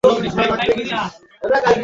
সুন্দরিটা জানোয়ারটাকে বিয়ে করেছে।